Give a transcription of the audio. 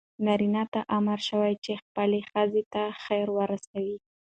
نارینه ته امر شوی چې خپلې ښځې ته خیر ورسوي.